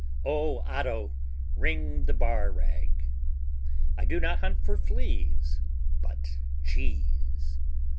Oh, Otto, wring the bar rag. I do not hunt for fleas But cheese.